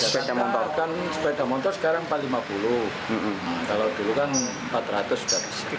sepeda motor sekarang rp empat lima ratus